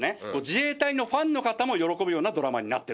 自衛隊のファンの方も喜ぶようなドラマになってるんですよね。